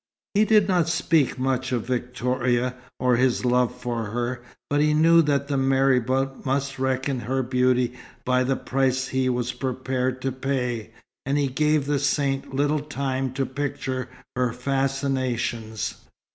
He did not speak much of Victoria, or his love for her, but he knew that the marabout must reckon her beauty by the price he was prepared to pay; and he gave the saint little time to picture her fascinations.